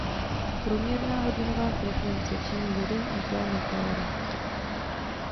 Průměrná hodinová frekvence činí jeden až dva meteory.